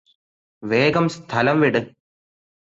വേഗം സ്ഥലം വിട്